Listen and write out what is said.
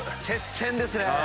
接戦ですね。